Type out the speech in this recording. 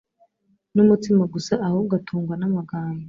n’umutsima gusa, ahubwo atungwa n’amagambo